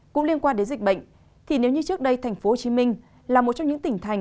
cũng liên quan đến dịch bệnh nếu như trước đây thành phố hồ chí minh là một trong những tỉnh thành